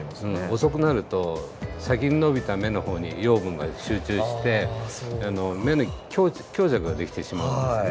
遅くなると先に伸びた芽の方に養分が集中して芽に強弱が出来てしまうんですね。